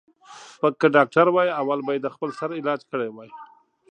ـ پک که ډاکتر وای اول به یې د خپل سر علاج کړی وای.